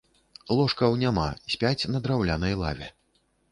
Ложкаў няма, спяць на драўлянай лаве.